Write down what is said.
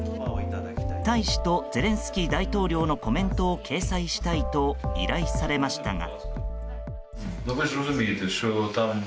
大使とゼレンスキー大統領のコメントを掲載したいと依頼されましたが。